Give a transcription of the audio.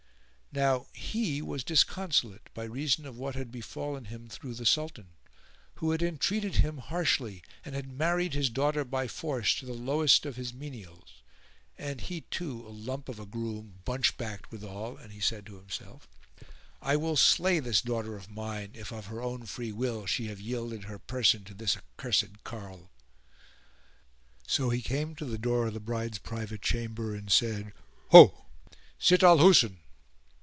Now he was disconsolate by reason of what had befallen him through the Sultan, who had entreated him harshly and had married his daughter by force to the lowest of his menials and he too a lump of a groom bunch backed withal, and he said to himself, "I will slay this daughter of mine if of her own free will she have yielded her person to this accursed carle." So he came to the door of the bride's private chamber and said, "Ho! Sitt al Husn."